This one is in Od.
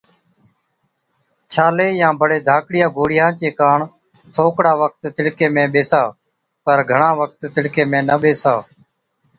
ڇالي يان بڙي ڌاڪڙِيا گوڙهِيا چي ڪاڻ ٿوڪڙا وقت تِڙڪي ۾ ٻيسا، پر گھڻا وقت تِڙڪي ۾ نہ ٻيسا۔